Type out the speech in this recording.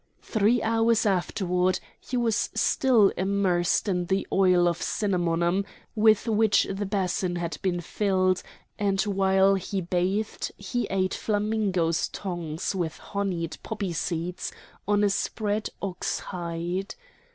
Three hours afterwards he was still immersed in the oil of cinnamomum with which the basin had been filled; and while he bathed he ate flamingoes' tongues with honied poppy seeds on a spread ox hide.